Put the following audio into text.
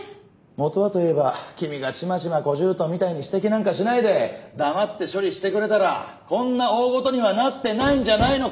もとはといえば君がチマチマ小姑みたいに指摘なんかしないで黙って処理してくれたらこんな大ごとにはなってないんじゃないのか？